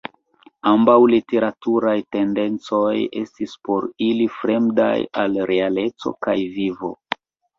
Ambaŭ literaturaj tendencoj estis por ili fremdaj al realeco kaj vivo.